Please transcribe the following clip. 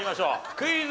クイズ。